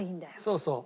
そうそう。